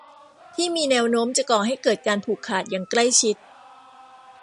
ที่มีแนวโน้มจะก่อให้เกิดการผูกขาดอย่างใกล้ชิด